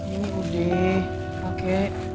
ini udah oke